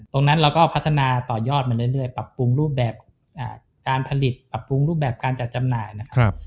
เราก็พัฒนาต่อยอดมาเรื่อยปรับปรุงรูปแบบการผลิตปรับปรุงรูปแบบการจัดจำหน่ายนะครับ